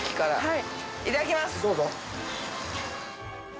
はい。